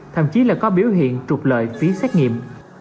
thậm chí là có biểu hiện trục lợi phí xét nghiệm